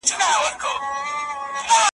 تازه نسیمه د سهار باده